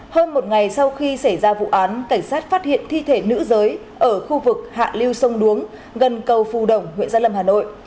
hơn một ngày sau khi xảy ra vụ án cảnh sát phát hiện thi thể nữ giới ở khu vực hạ lưu sông đuống gần cầu phù đồng huyện gia lâm hà nội